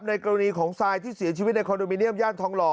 ในกรณีของทรายที่เสียชีวิตในคอนโดมิเนียมย่านทองหล่อ